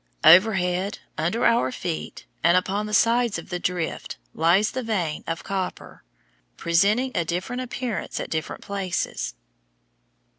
Overhead, under our feet, and upon the sides of the drift, lies the vein of copper are, presenting a different appearance at different places.